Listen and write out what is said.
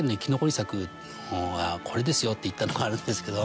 これですよって言ったのがあるんですけど。